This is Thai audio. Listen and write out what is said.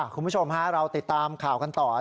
คุณผู้ชมเราติดตามข่าวกันต่อ